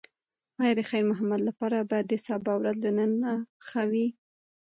ایا د خیر محمد لپاره به د سبا ورځ له نن ښه وي؟